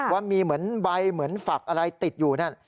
ว่ามีเหมือนใบเหมือนฝักอะไรติดอยู่นั่น